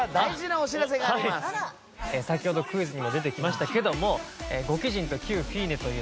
先ほどクイズにも出てきましたけども五奇人と旧ｆｉｎｅというね